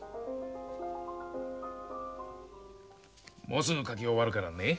もうすぐ描き終わるからね。